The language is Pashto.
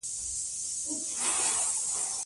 د افغانستان جغرافیه کې ننګرهار ستر اهمیت لري.